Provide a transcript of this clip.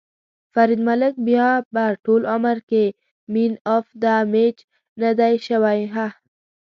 فرید ملک بیا به ټول عمر کې مېن اف ده مېچ ندی شوی.ههه